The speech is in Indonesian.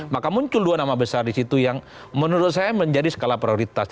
maka muncul dua nama besar di situ yang menurut saya menjadi skala prioritas